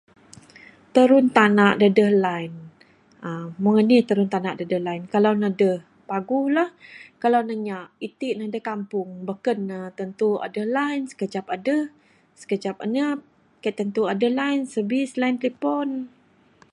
Terun tana da deh line aaa meng anih tarun tana da adeh line? Kalau ne deh, paguh lah. Kalau ne nyak, iti ne da kampung beken ne tentu adeh line, skejep adeh skejep anyap, kaik tentu adeh line, service line tlepon .